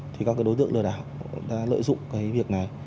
thì các cái đối tượng lừa đảo đã lợi dụng cái việc này